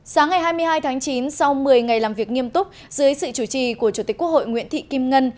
sáng ngày hai mươi hai tháng chín sau một mươi ngày làm việc nghiêm túc dưới sự chủ trì của chủ tịch quốc hội nguyễn thị kim ngân